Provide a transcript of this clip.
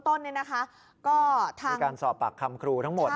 แต่เชื่อว่าเขาก็ต้องดินลนด้วยลายพยายามทำทุกวิธีทางเพื่อจะได้ออกมา